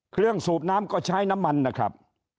สูบน้ำก็ใช้น้ำมันนะครับ